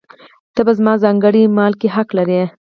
ته زما په ځانګړي مال کې حق لرې.